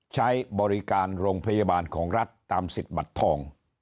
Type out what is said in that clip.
ใช้บริการโรงพยาบาลของรัฐตามสิทธิ์บัตรทอง